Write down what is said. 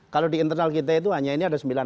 kalau di internal kita itu hanya ini ada sembilan